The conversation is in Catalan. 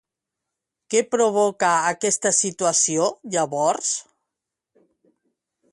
Què provoca aquesta situació, llavors?